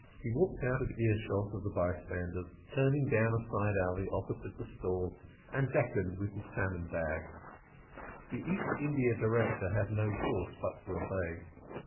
He walked out of earshot of the by standers, turning down a side alley opposite the stall, and beckoned with his salmon bag. The East India Director had no course but to obey.